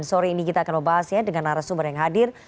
sore ini kita akan membahasnya dengan arah sumber yang hadir